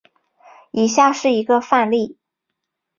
以下是一个范例。